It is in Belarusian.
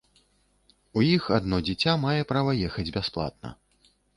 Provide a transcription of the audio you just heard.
У іх адно дзіця мае права ехаць бясплатна.